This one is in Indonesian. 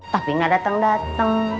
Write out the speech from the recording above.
tapi gak dateng dateng